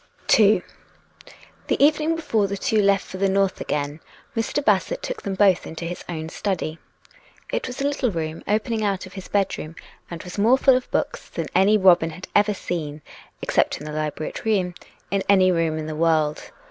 II The evening before the two left for the north again, Mr. Bassett took them both into his own study. It was a little room opening out of his bedroom, and was more full of books than Robin had ever seen, except in the library at Rheims, in any room in the world.